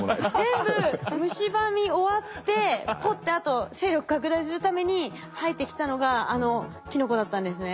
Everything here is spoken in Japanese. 全部むしばみ終わってポッてあと勢力拡大するために生えてきたのがあのキノコだったんですね。